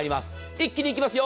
一気に行きますよ。